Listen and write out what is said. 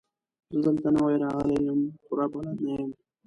زه دلته نوی راغلی يم، پوره بلد نه يم.